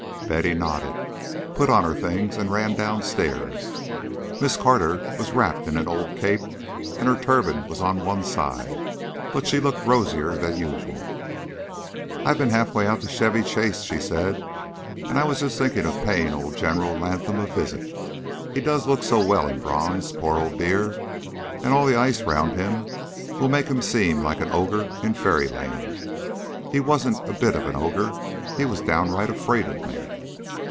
Betty nodded, put on her things and ran downstairs. Miss Carter was wrapped in an old cape, and her turban was on one side, but she looked rosier than usual. "I've been half way out to Chevy Chase," she said, "and I was just thinking of paying poor old General Lathom a visit. He does look so well in bronze, poor old dear, and all that ice round him will make him seem like an ogre in fairy land. He wasn't a bit of an ogre, he was downright afraid of me."